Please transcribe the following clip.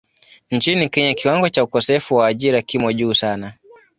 Nchini Kenya kiwango cha ukosefu wa ajira kimo juu sana.